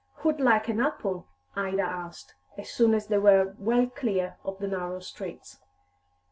"Who'd like an apple?" Ida asked, as soon as they were well clear of the narrow streets.